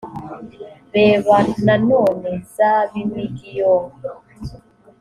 reba nanone zab imig yoh